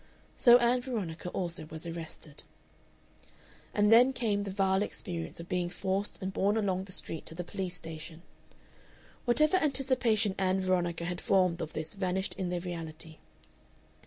So Ann Veronica also was arrested. And then came the vile experience of being forced and borne along the street to the police station. Whatever anticipation Ann Veronica had formed of this vanished in the reality.